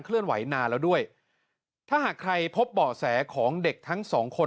เลื่อนไหวนานแล้วด้วยถ้าหากใครพบเบาะแสของเด็กทั้งสองคน